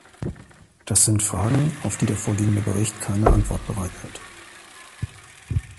Das sind Fragen, auf die der vorliegende Bericht keine Antwort bereithält.